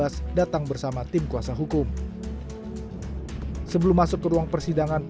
secara hukum acara dalam persidangan